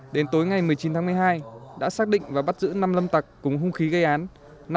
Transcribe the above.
đến tối ngày một mươi chín tháng một mươi hai đã xác định và bắt giữ năm lâm tặc cùng hung khí gây án